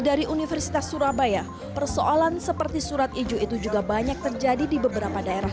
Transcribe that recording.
dari universitas surabaya persoalan seperti surat ijo itu juga banyak terjadi di beberapa daerah